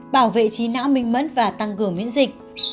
bảo vệ trí não minh mất và tăng cường miễn dịch